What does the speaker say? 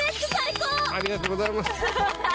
ありがとうございます。